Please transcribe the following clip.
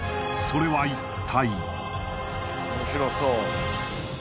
それは一体？